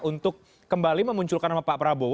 untuk kembali memunculkan nama pak prabowo